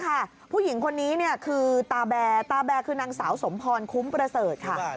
ผู้หญิงคนนี้คือตาแบร์ตาแบร์คือนางสาวสมพรคุ้มประเสริฐค่ะ